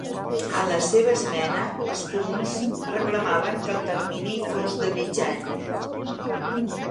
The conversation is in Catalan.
En la seva esmena, els comuns reclamaven que el termini fos de mig any.